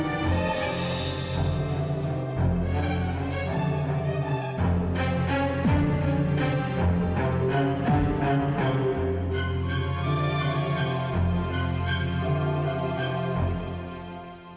nah udah deh